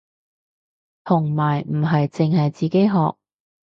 同埋唔係淨係自己學